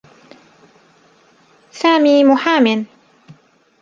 سامي محامٍ.